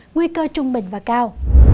nguy cơ trung bình và cao